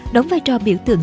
đón vai trò biểu tượng